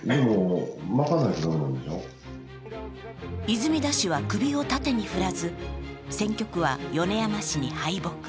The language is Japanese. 泉田氏は首を縦に振らず、選挙区は米山氏に敗北。